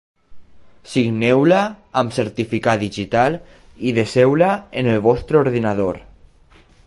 Signeu-la amb certificat digital i deseu-la en el vostre ordinador.